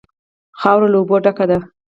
خاوره له اوبو ډکه ده.